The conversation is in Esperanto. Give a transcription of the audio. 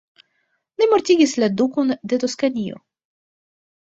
Li mortigis la Dukon de Toskanio.